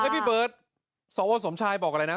พี่เบิร์ทสอวร์สมชายบอกอะไรนะ